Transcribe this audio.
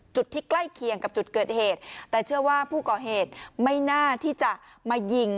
จุดที่ใกล้เคียงกับจุดเกิดเหตุแต่เชื่อว่าผู้ก่อเหตุไม่น่าที่จะมายิง